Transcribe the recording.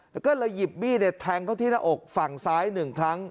แล้วก็เลยหยิบมีดแทงเขาที่หน้าอกฝั่งซ้าย๑ครั้ง